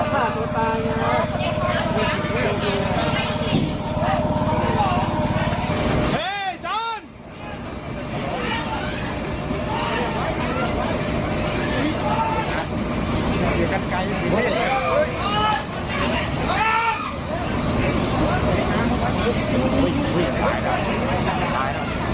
อย่าให้เผาบ้านอย่าให้เผาบ้าน